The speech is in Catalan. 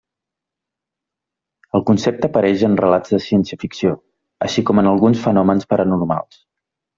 El concepte apareix en relats de ciència-ficció així com en alguns fenòmens paranormals.